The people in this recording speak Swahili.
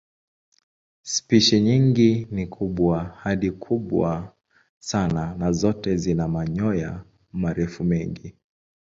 Spishi nyingi ni kubwa hadi kubwa sana na zote zina manyoya marefu mengi.